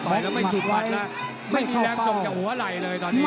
ไม่สุกมัดนะไม่มีแรงส่งจากหัวไหล่เลยตอนนี้